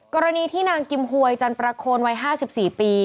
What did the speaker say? กรณีที่นางกิมหวยจันประโคนวัย๕๔ปี